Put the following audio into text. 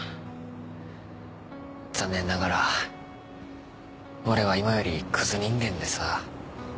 残念ながら俺は今よりクズ人間でさ。